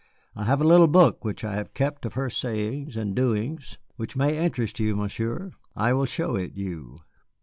I have a little book which I have kept of her sayings and doings, which may interest you, Monsieur. I will show it you."